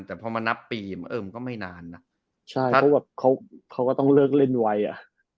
แต่พอมานับปีเออมันก็ไม่นานนะใช่เขาแบบเขาเขาก็ต้องเลิกเล่นไวอ่ะ